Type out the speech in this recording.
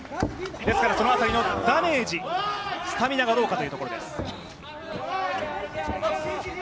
ですからその辺りのダメージ、スタミナがどうかというところです。